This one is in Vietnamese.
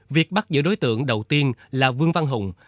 việc bắt giữ đối tượng đầu tiên là vương văn hùng